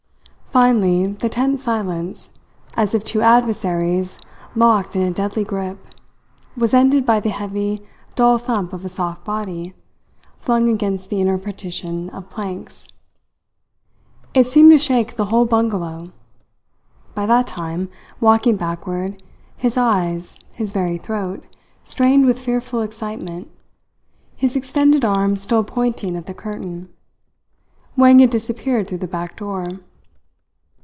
Finally the tense silence, as of two adversaries locked in a deadly grip, was ended by the heavy, dull thump of a soft body flung against the inner partition of planks. It seemed to shake the whole bungalow. By that time, walking backward, his eyes, his very throat, strained with fearful excitement, his extended arm still pointing at the curtain, Wang had disappeared through the back door.